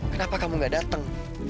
kenapa kamu gak dateng